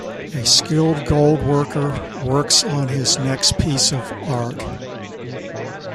A skilled gold worker works on his next piece of art.